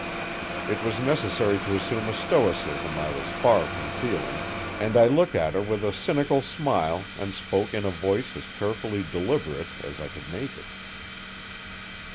It was necessary to assume a stoicism I was far from feeling, and I looked at her with a cynical smile and spoke in a voice as carefully deliberate as I could make it.